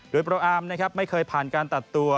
โดยพระอาร์มไม่เคยผ่านการตัดตัว